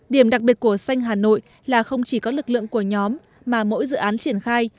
điểm đặc biệt của xanh hà nội là không chỉ có lực lượng của nhóm mà mỗi dự án triển khai